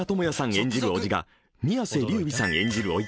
演じるおじが宮世琉弥さん演じるおい